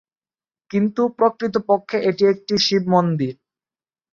কিন্তু প্রকৃতপক্ষে এটি একটি শিব মন্দির।